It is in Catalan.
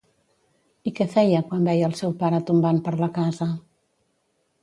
I què feia quan veia al seu pare tombant per la casa?